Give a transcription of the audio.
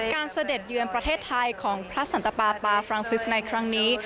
เสด็จเยือนประเทศไทยของพระสันตปาปาฟรังซิสในครั้งนี้